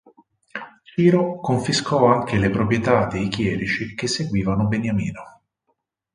Ciro confiscò anche le proprietà dei chierici che seguivano Beniamino.